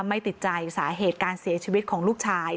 ไม่ติดใจสาเหตุการเสียชีวิตของลูกชาย